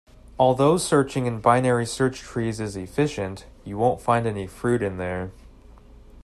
Although searching in binary search trees is efficient, you won't find any fruit in there.